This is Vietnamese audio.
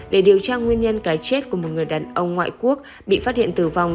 để điều tra nguyên nhân cái chết của một người đàn ông ngoại quốc bị phát hiện tử vong